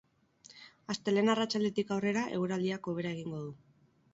Astelehen arratsaldetik aurrera eguraldiak hobera egingo du.